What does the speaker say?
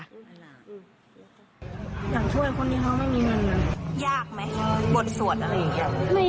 อยากช่วยคนที่เขาไม่มีเงิน